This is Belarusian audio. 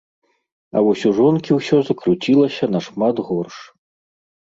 А вось у жонкі ўсё закруцілася нашмат горш.